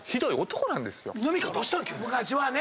昔はね！